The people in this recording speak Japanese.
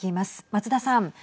松田さん。